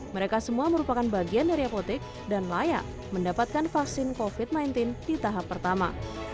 mereka semua merupakan bagian dari apotek dan layak mendapatkan vaksin covid sembilan belas di tahap pertama